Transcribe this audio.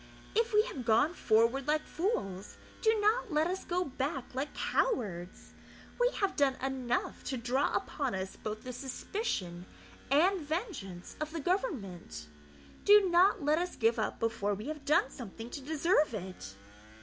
If we have gone forward like fools, do not let us go back like cowards. We have done enough to draw upon us both the suspicion and vengeance of the government; do not let us give up before we have done something to deserve it.